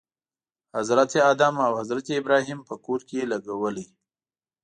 حضرت آدم او حضرت ابراهیم په کور کې لګولی.